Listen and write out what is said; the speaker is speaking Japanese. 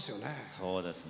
そうですね。